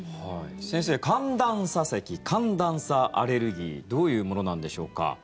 先生、寒暖差せき寒暖差アレルギーどういうものなんでしょうか。